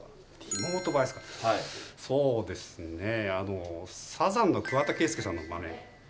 そうですねサザンの桑田佳祐さんのマネ